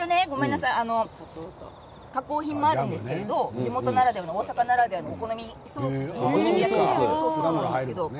加工品もあるんですけども地元ならでは、大阪ならではのお好み焼きのソースもあります。